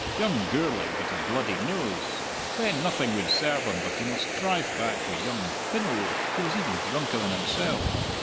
Young Gourlay got a bloodied nose! Then nothing would serve him but he must drive back wi' young Pin oe, who was even drunker than himsell.